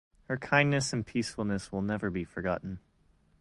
Her kindness and peacefulness will never be forgotten.